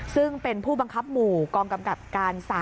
ซึ่งเป็นผู้บังคับหมู่กองกำกับการ๓